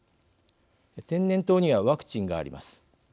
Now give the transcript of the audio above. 天然痘にはワクチンがあります。